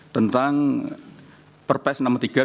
tentang perpres enam puluh tiga dua ribu tujuh belas